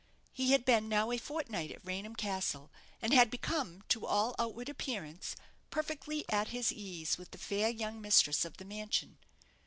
He had been now a fortnight at Raynham Castle, and had become, to all outward appearance, perfectly at his ease with the fair young mistress of the mansion.